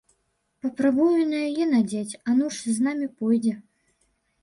Папрабую і на яе надзець, а ну ж з намі пойдзе.